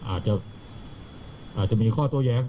อาจจะมีข้อโต้แย้ง